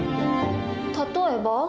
例えば？